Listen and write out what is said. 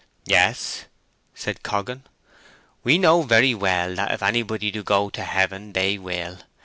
"Yes," said Coggan. "We know very well that if anybody do go to heaven, they will.